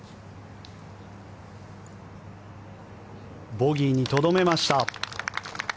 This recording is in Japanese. ボギーにとどめました。